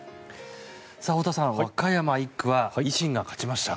太田さん、和歌山１区は維新が勝ちました。